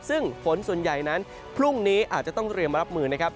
ซึ่งฝนส่วนใหญ่นั้นพรุ่งนี้อาจจะต้องเตรียมรับมือนะครับ